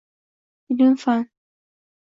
Ilm-fan